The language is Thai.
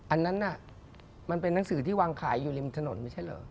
อันนั้นน่ะมันเป็นหนังสือที่วางขายอยู่ริมถนนไม่ใช่เหรอ